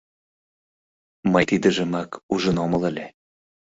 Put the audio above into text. — Мый тидыжымак ужын омыл ыле...